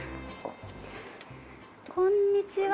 こんにちは。